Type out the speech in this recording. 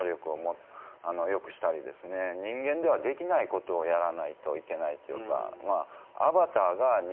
人間ではできないことをやらないといけないというか。